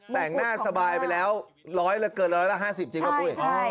แต่งหน้าสบายไปแล้ว๑๐๐แล้วเกิดแล้วละ๕๐จริงหรือผู้อีก